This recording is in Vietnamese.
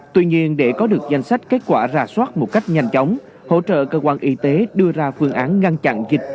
tuy nhiên để có được danh sách kết quả ra soát một cách nhanh chóng hỗ trợ cơ quan y tế đưa ra phương án ngăn chặn dịch